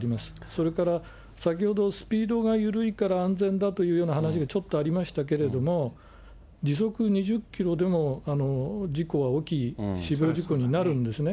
それから、先ほど、スピードが緩いから安全だというような話がちょっとありましたけれども、時速２０キロでも事故は起き、死亡事故になるんですね。